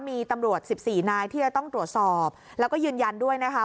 มีตำรวจ๑๔นายที่จะต้องตรวจสอบแล้วก็ยืนยันด้วยนะคะ